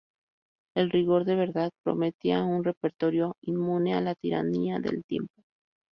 En rigor de verdad, prometía un repertorio inmune a la tiranía del tiempo.